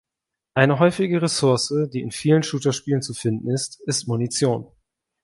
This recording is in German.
Eine häufige Ressource, die in vielen Shooter-Spielen zu finden ist, ist Munition.